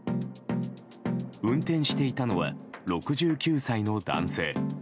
運転していたのは６９歳の男性。